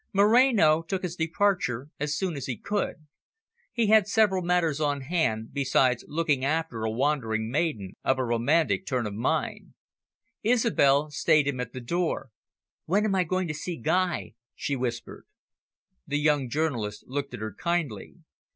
Moreno took his departure as soon as he could. He had several matters on hand, besides looking after a wandering maiden of a romantic turn of mind. Isobel stayed him at the door. "When am I going to see Guy?" she whispered. The young journalist looked at her kindly.